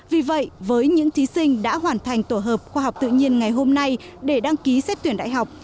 vì vậy với những thí sinh đã hoàn thành tổ hợp khoa học tự nhiên ngày hôm nay để đăng ký xét tuyển đại học